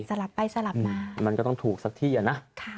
สลับไปสลับมามันก็ต้องถูกสักที่อ่ะนะ